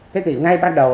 thế thì ngay ban đầu